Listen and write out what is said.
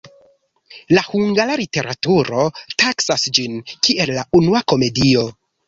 La hungara literaturo taksas ĝin, kiel la unua komedio.